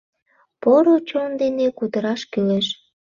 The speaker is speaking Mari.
Поро чон дене кутыраш кӱлеш.